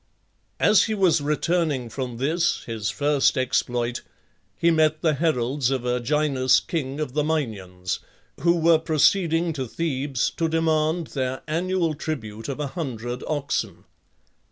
As he was returning from this, his first exploit, he met the heralds of Erginus, king of the Minyans, who were proceeding to Thebes to demand their annual tribute of 100 oxen.